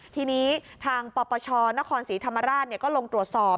ทีนี้ทางปปชนครศรีธรรมราชก็ลงตรวจสอบ